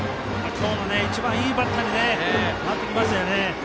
今日の一番いいバッターに回ってきましたよね。